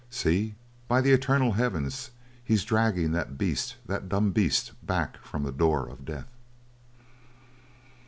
See! By the eternal heavens, he's dragging that beast that dumb beast back from the door of death!"